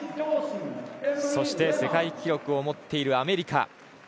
そして、世界記録を持っているアメリカ。